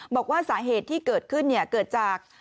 บอกว่าสาเหตุที่เกิดขึ้นเกิดจาก